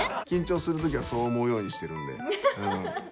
緊張するときはそう思うようにしてるんで。